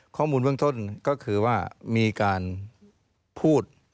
ข้อมูลเบื้องต้นก็คือว่ามีการพูด